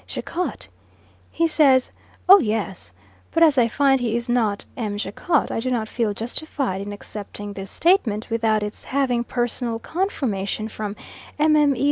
Jacot. He says: "Oh, yes," but as I find he is not M. Jacot, I do not feel justified in accepting this statement without its having personal confirmation from Mme.